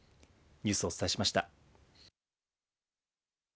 ニュースをお伝えしました。